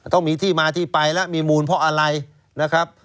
ต้องมีที่มาที่ไปแล้วมีมูลเพราะอะไรนะครับ